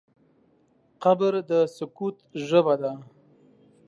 قبر د سکوت ژبه ده.